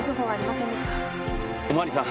お巡りさん